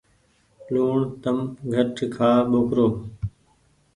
لوڻ تم گھٽ کآ ٻوکرو ۔